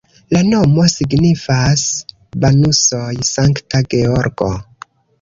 La nomo signifas Banusoj-Sankta Georgo.